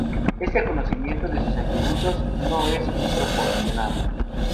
Este conocimiento de sus atributos nos es proporcionado".